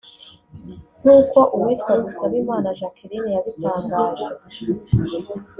nk’uko uwitwa Dusabimana Jacqueline yabitangaje